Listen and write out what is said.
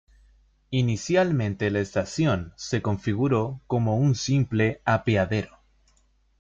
Inicialmente la estación se configuró como un simple apeadero.